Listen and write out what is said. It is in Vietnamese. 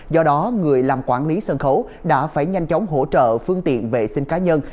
do đó người làm quản lý sân khấu đã phải nhanh chóng hỗ trợ phương tiện vệ sinh cá nhân